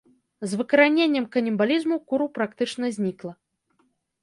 З выкараненнем канібалізму куру практычна знікла.